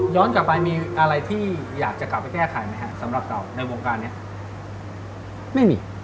ย้อนกลับไปมีอะไรที่อยากจะกลับไปแก้ไขไหมคะสำหรับเราในวงการเนี่ย